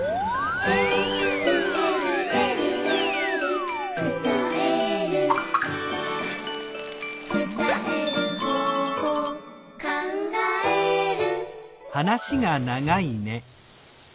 「えるえるえるえる」「つたえる」「つたえる方法」「かんがえる」